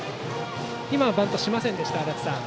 バントをしませんでした。